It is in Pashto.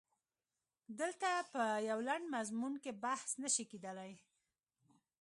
دلته په یوه لنډ مضمون کې بحث نه شي کېدلای.